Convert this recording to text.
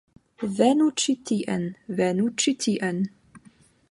Venu ĉi tien. Venu ĉi tien.